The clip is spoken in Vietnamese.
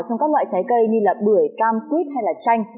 trong các loại trái cây như bưởi cam quýt hay là chanh